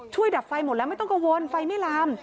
ดับไฟหมดแล้วไม่ต้องกังวลไฟไม่ลาม